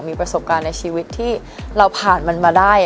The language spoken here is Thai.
มีประสบการณ์ในชีวิตที่เราผ่านมันมาได้